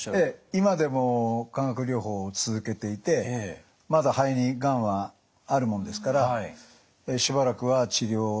今でも化学療法を続けていてまだ肺にがんはあるもんですからしばらくは治療を。